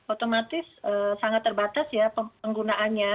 otomatis sangat terbatas ya penggunaannya